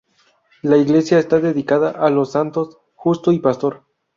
La iglesia está dedicada a los santos Justo y Pastor.